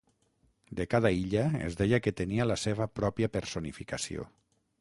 De cada illa es deia que tenia la seva pròpia personificació.